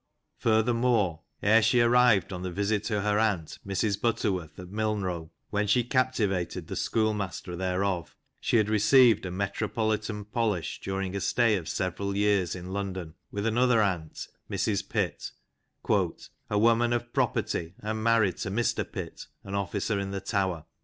Furthermore, ere she arrived on the visit to her aunt, Mrs Butter worth, at Milnrow, when she captivated the school master thereof, she had received a metropolitan poHsh during a stay of several years in London with another aunt, Mrs Pitt, "a woman of property, and married to Mr Pitt, an officer in the Tower."